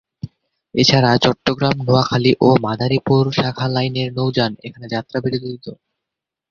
এছাড়া চট্টগ্রাম, নোয়াখালী ও মাদারিপুর শাখা লাইনের নৌযান এখানে যাত্রা বিরতি দিত।